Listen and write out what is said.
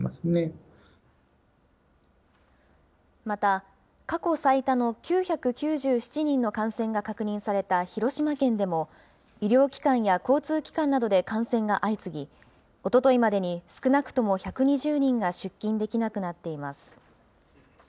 また、過去最多の９９７人の感染が確認された広島県でも、医療機関や交通機関などで感染が相次ぎ、おとといまでに少なくとも１２０人が出勤できなくなっています。